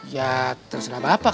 ya terserah bapak